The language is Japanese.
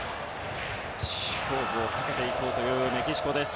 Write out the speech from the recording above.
勝負をかけていこうというメキシコ。